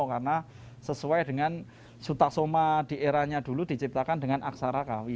karena sesuai dengan sutak soma di eranya dulu diciptakan dengan aksara kawi